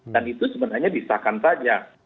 dan itu sebenarnya disahkan saja